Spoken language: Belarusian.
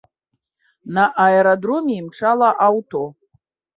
На аэрадроме імчала аўто.